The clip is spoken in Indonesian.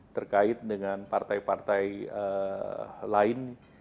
terkait dengan partai partai lain